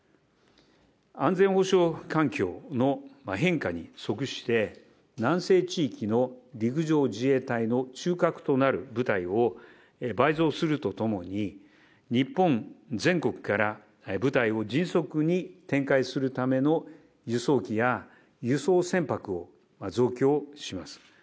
安全保障環境の変化に即して、南西地域の陸上自衛隊の中核となる部隊を倍増するとともに、日本全国から部隊を迅速に展開するための輸送機や輸送船舶を増強します。